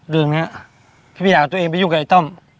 เรื่องนี้พี่ไม่อยากเอาตัวเองไปยุ่งกับไอ้ต้อม